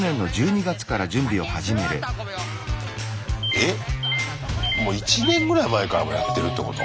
えっもう１年ぐらい前からやってるってこと？